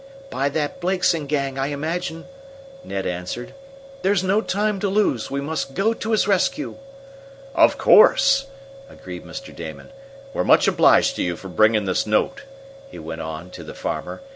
"By that Blakeson gang, I imagine," Ned answered. "There's no time to lose. We must go to his rescue!" "Of course!" agreed Mr. Damon. "We're much obliged to you for bringing this note," he went on to the farmer.